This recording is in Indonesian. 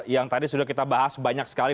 yang tadi sudah kita bahas banyak sekali